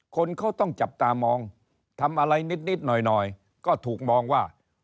คนเขาต้องจับตามองทำอะไรนิดหน่อยก็ถูกมองว่า